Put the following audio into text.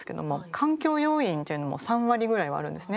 環境要因というのも３割ぐらいはあるんですね。